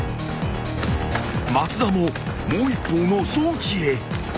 ［松田ももう一方の装置へ］